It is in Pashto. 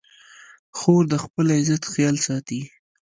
خور د خپل عزت خیال ساتي.